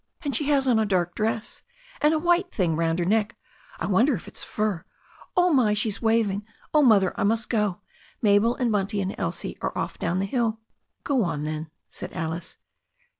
And she has on a dark dress, and a white thing round her neck ^ I wonder if it's fur. Oh, my! she's waving. Oh, Mother, I must go. Mabel and Bunty and Elsie are off down the hiU " "Go on, then," said Alice.